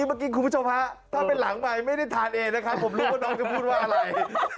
ผมรู้ว่าน้องจะพูดว่าอะไร